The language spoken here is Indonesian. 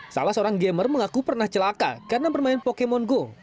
salah seorang gamer mengaku pernah celaka karena bermain pokemon go